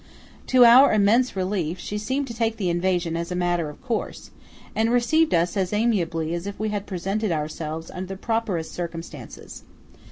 To our immense relief, she seemed to take the invasion as a matter of course, and received us as amiably as if we had presented ourselves under the properest circumstances.